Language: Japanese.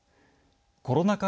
コロナ禍